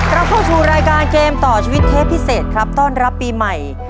เราเข้าสู่รายการเกมต่อชีวิตเทปพิเศษครับต้อนรับปีใหม่